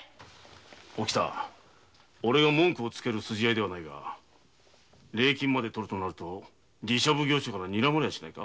おきた俺が文句をつける筋合いではないが礼金を取ると寺社奉行所から睨まれはしないか？